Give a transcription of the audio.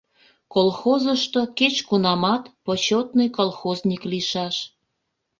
Колхозышто кеч-кунамат почетный колхозник лийшаш.